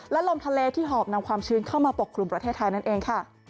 และลมทะเลที่หอบนำความชื้นเข้ามาปกคลุมประเทศไทยนั่นเองค่ะ